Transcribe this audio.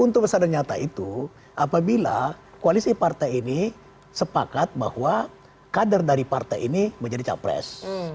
untung besar dan nyata itu apabila koalisi partai ini sepakat bahwa kader dari partai ini menjadi capres